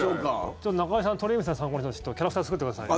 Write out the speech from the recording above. ちょっと中居さん鳥海さんを参考にキャラクター作ってくださいよ。